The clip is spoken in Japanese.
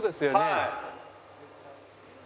はい。